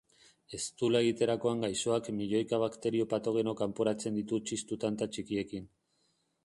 Eztula egiterakoan gaixoak milioika bakterio patogeno kanporatzen ditu txistu-tanta txikiekin.